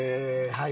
はい。